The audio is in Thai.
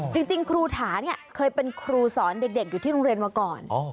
จริงครูถาเนี่ยเคยเป็นครูสอนเด็กอยู่ที่โรงเรียนมาก่อน